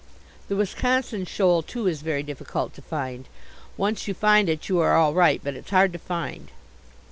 The Wisconsin shoal, too, is very difficult to find. Once you find it, you are all right; but it's hard to find.